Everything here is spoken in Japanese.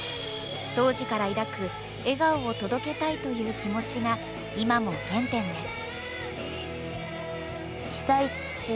当時から抱く「笑顔を届けたい」という気持ちが今も原点です